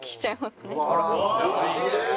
すげえ！